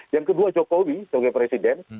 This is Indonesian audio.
yang kedua jokowi sebagai presiden